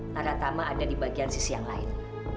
naratama ada di bagian sisi yang lain